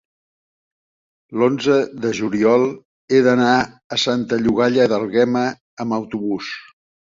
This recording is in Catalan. l'onze de juliol he d'anar a Santa Llogaia d'Àlguema amb autobús.